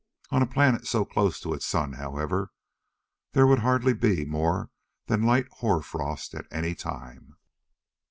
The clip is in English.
On a planet so close to its sun, however, there would hardly be more than light hoar frost at any time.